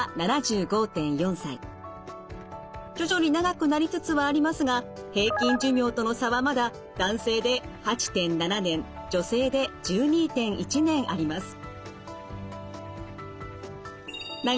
徐々に長くなりつつはありますが平均寿命との差はまだ男性で８．７年女性で１２．１年あります。